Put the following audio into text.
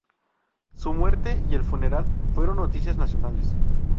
Su muerte y el funeral fueron noticias nacionales.